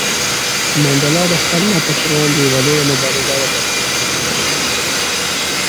منډېلا د خپل نفس پر وړاندې یوه لویه مبارزه وګټله.